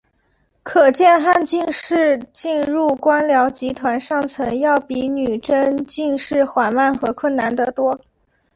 可见汉进士进入官僚集团上层要比女真进士缓慢和困难得多。